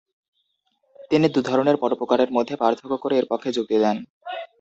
তিনি দু'ধরনের পরোপকারের মধ্যে পার্থক্য করে এর পক্ষে যুক্তি দেন।